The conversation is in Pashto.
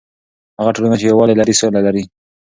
هغه ټولنه چې یووالی لري، سوله لري.